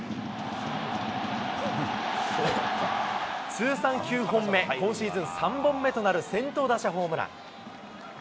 通算９本目、今シーズン３本目となる先頭打者ホームラン。